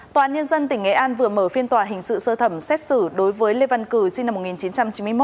tòa án nhân dân tỉnh nghệ an vừa mở phiên tòa hình sự sơ thẩm xét xử đối với lê văn cử sinh năm một nghìn chín trăm chín mươi một